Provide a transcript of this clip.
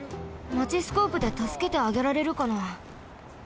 マチスコープでたすけてあげられるかな？